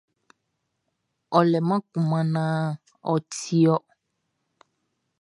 Ɔ leman kunman naan ɔ ti wɔ.